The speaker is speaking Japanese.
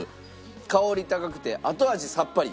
香り高くて後味さっぱり。